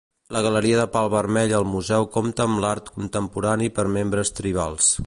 La Galeria de Pal Vermell al museu compta amb l'art contemporani per membres tribals.